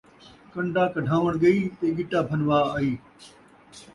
کن٘ڈا کڈھاوݨ ڳئی تے ڳٹا بھنوا آئی